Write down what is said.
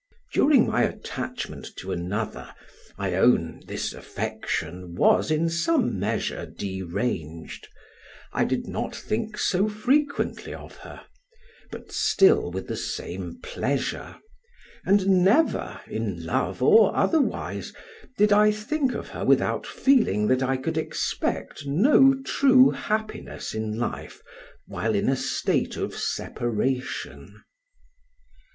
During my attachment to another, I own this affection was in some measure deranged; I did not think so frequently of her, but still with the same pleasure, and never, in love or otherwise, did I think of her without feeling that I could expect no true happiness in life while in a state of separation.